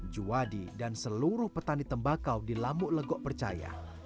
juwadi dan seluruh petani tembakau di lamuk legok percaya